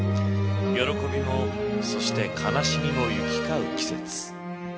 喜びもそして悲しみも行き交う季節。